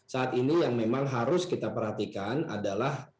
saat ini yang memang harus kita perhatikan adalah